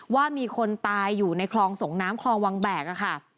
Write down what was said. ว่ามีคนตายอยู่ในคลองส่งน้ำคลองวังแบกค่ะ